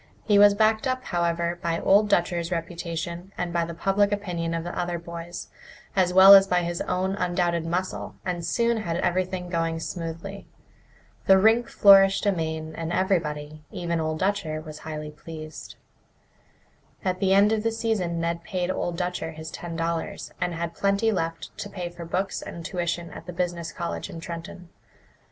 He was backed up, however, by Old Dutcher's reputation and by the public opinion of the other boys, as well as by his own undoubted muscle, and soon had everything going smoothly. The rink flourished amain, and everybody, even Old Dutcher, was highly pleased. At the end of the season Ned paid Old Dutcher his ten dollars, and had plenty left to pay for books and tuition at the business college in Trenton.